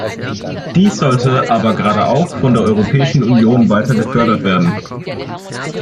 Dies sollte aber gerade auch von der Europäischen Union weiter gefördert werden.